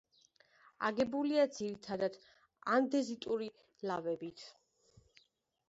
აგებულია ძირითადად ანდეზიტური ლავებით.